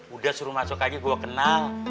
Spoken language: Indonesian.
udah suruh masuk lagi gue kenal